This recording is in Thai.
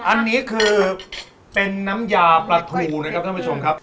อันนี้คือเป็นน้ำยาปลาทูนะครับท่านผู้ชมครับ